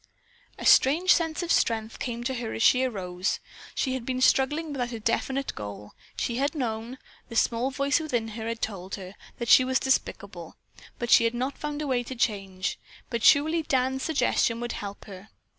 A strange sense of strength came to her as she arose. She had been struggling without a definite goal. She had known, the small voice within had often told her, that she was despicable, but she had not found a way to change, but surely Dan's suggestion would help her.